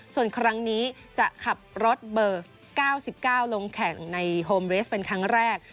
ส่วนครั้งนี้จะขับรถเบอร์๙๙ลงแข่งในโฮมเรสเป็นครั้งแรก